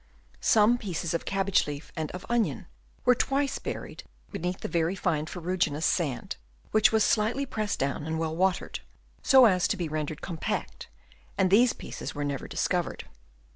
Some pieces of cabbage leaf and of onion were twice buried beneath very fine ferruginous sand, which was slightly pressed down and well watered, so as to be rendered very compact, and these pieces were never discovered.